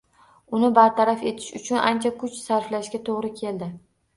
Uni bartaraf etish uchun ancha kuch sarflashga to‘g‘ri keldi